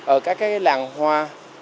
ở các cái làng hoa